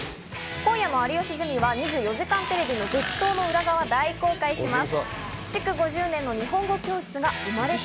今夜の『有吉ゼミ』は『２４時間テレビ』の激闘の裏側を大公開します。